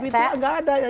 tapi itu gak ada ya